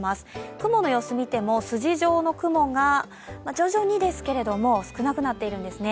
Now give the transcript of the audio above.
雲の様子を見ても筋状の雲が徐々にですけれども少なくなっているんですね。